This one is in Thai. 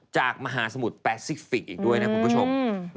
จากมหาสมุทรแปซิฟิกอีกด้วยนะคุณผู้ชม